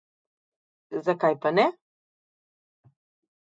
Zakaj pa ne?